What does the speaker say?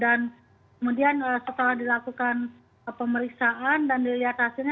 dan kemudian setelah dilakukan pemeriksaan dan dilihat hasilnya